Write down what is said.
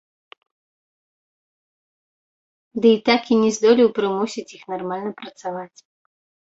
Дый так і не здолеў прымусіць іх нармальна працаваць.